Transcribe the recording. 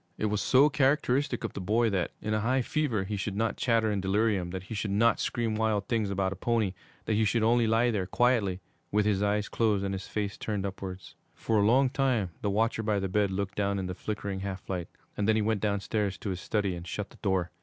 It was so characteristic of the boy that, in a high fever, he should not chatter in delirium, that he should not scream wild things about a pony, that he should only lie there quietly, with his eyes closed and his face turned upwards. For a long time the watcher by the bed looked down in the flickering half light, and then he went downstairs to his study and shut the door.